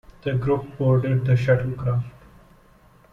The group boarded the shuttlecraft.